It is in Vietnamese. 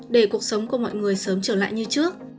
để cuộc sống của mọi người sớm trở lại như trước